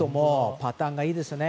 パターンがいいですよね。